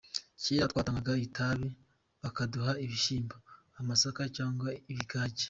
Kera twatangaga itabi bakaduha ibishyimbo, amasaka cyangwa ikigage.